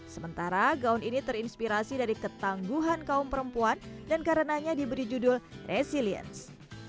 sementara gaun ini terinspirasi dari ketangguhan kaum perempuan dan karenanya diberi judul resilience